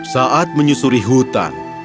saat menyusuri hutan